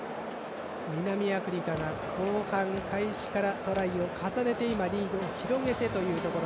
南アフリカが後半開始からトライを重ねて今、リードを広げてというところ。